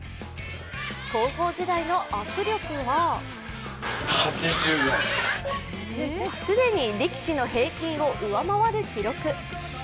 高校時代の握力は既に力士の平均を上回る記録。